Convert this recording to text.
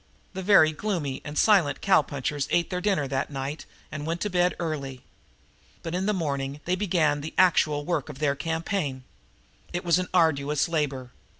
Two very gloomy and silent cow punchers ate their dinner that night and went to bed early. But in the morning they began the actual work of their campaign. It was an arduous labor.